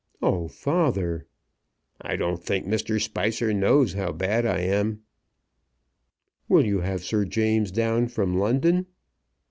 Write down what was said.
"Oh, father!" "I don't think Mr. Spicer knows how bad I am." "Will you have Sir James down from London?"